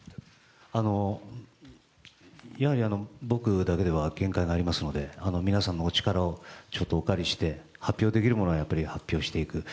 やはり僕だけでは限界がありますので皆さんのお力をお借りして発表できるものは発表していく。